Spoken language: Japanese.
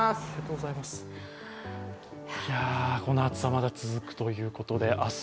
この暑さ、まだ続くということで明日